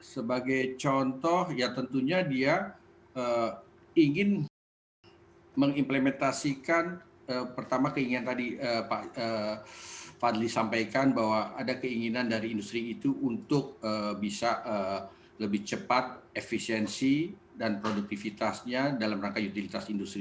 sebagai contoh ya tentunya dia ingin mengimplementasikan pertama keinginan tadi pak fadli sampaikan bahwa ada keinginan dari industri itu untuk bisa lebih cepat efisiensi dan produktivitasnya dalam rangka utilitas industri